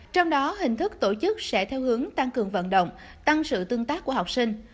trong đó hình thức tổ chức sẽ theo hướng tăng cường vận động tăng sự tương tác của học sinh